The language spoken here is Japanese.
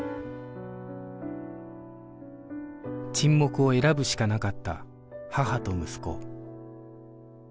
沈黙を選ぶしかなかった母と息子